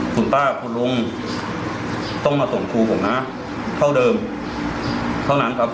คุณป้าคุณลุงต้องมาส่งครูผมนะเท่าเดิมเท่านั้นครับ